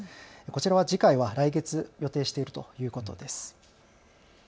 こちらは次回は来月予定しているということです。